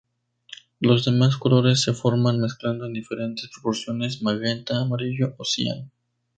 Los demás colores se forman mezclando en diferentes proporciones magenta, amarillo o cian.